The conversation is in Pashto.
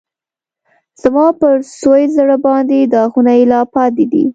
زما پر سوي زړه باندې داغونه یې لا پاتی دي